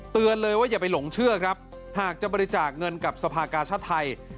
เตือนเลยว่าอย่าไปหลงเชื่อครับหากจะบริจาคเงินกับสภากาชาติไทย